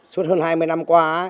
suốt hơn hai mươi năm qua